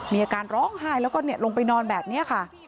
มีอาการร้องไห้แล้วก็ลงไปนอนแบบนี้ค่ะ